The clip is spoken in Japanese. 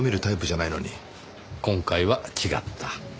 今回は違った。